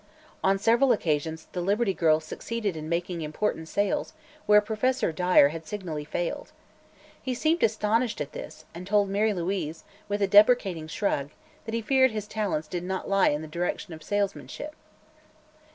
On several occasions the Liberty Girls succeeded in making important sales where Professor Dyer had signally failed. He seemed astonished at this and told Mary Louise, with a deprecating shrug, that he feared his talents did not lie in the direction of salesmanship.